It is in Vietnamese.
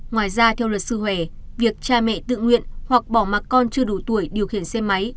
ngoài ra theo luật sư hòe việc cha mẹ tự nguyện hoặc bỏ mặt con chưa đủ tuổi điều khiển xe máy